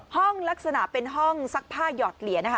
ลักษณะเป็นห้องซักผ้าหยอดเหรียญนะคะ